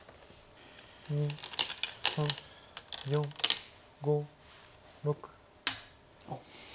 ２３４５６。